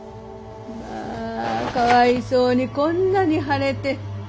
まあかわいそうにこんなに腫れて。